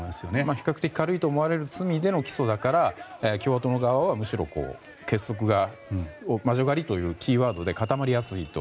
比較的軽いと思われる罪での起訴だから、共和党側はむしろ結束が魔女狩りというキーワードで固まりやすいと。